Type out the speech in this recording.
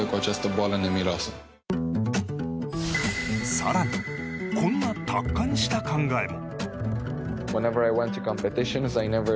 更にこんな達観した考えも。